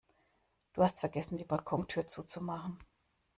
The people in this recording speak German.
Du hast vergessen die Balkontür zuzumachen